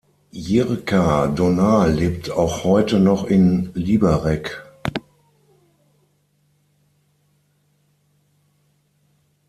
Jirka Dohnal lebt auch heute noch in Liberec.